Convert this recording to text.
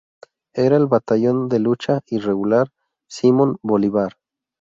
Era el Batallón de Lucha Irregular "Simón Bolívar".